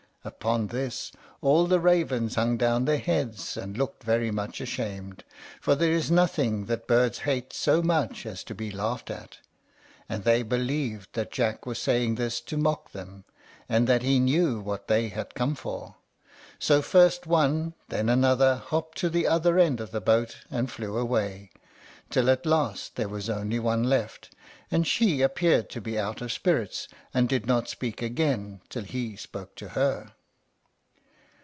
Upon this all the ravens hung down their heads, and looked very much ashamed; for there is nothing that birds hate so much as to be laughed at, and they believed that Jack was saying this to mock them, and that he knew what they had come for. So first one and then another hopped to the other end of the boat and flew away, till at last there was only one left, and she appeared to be out of spirits, and did not speak again till he spoke to her.